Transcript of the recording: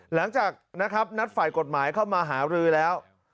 หลังจากนะครับนัดฝ่ายกฎหมายเข้ามาหารือแล้ว